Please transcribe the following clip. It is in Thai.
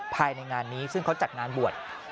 ภายในงานนี้ซึ่งเขาจัดงานบวช